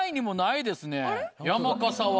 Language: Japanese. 山笠は。